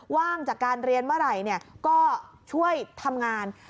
ว่างจากการเรียนเมื่อไหร่ก็ช่วยทำงาน